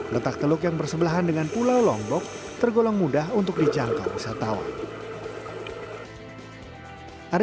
letak teluk yang bersebelahan dengan pulau lombok tergolong mudah untuk dijangkau wisatawan